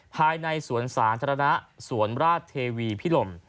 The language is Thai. ภายในสวนสาธารณะสวนราชเทวีพิลม